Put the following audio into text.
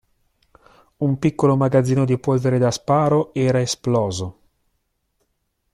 Un piccolo magazzino di polvere da sparo era esploso.